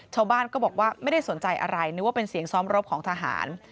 ชาวบ้านก็บอกว่าไม่ได้สนใจอะไรนึกว่าเป็นเสียงซ้อมรบของทหาร